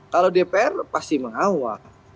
kalau dpr pasti mengawal